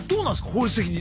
法律的に。